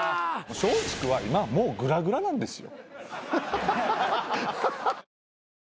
松竹は今もうグラグラなんですよ。